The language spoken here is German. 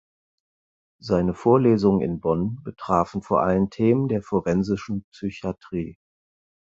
Seine Vorlesungen in Bonn betrafen vor allem Themen der forensischen Psychiatrie.